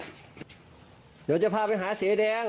เดี๋ยวจะพาไปหาเสือแดง